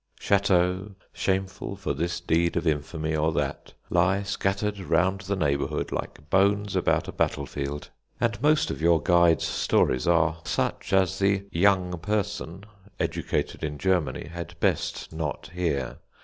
Chateaux, shameful for this deed of infamy or that, lie scattered round the neighbourhood like bones about a battlefield; and most of your guide's stories are such as the "young person" educated in Germany had best not hear.